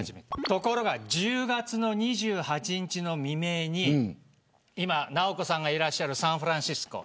ところが、１０月２８日の未明に今、直子さんがいらっしゃるサンフランシスコ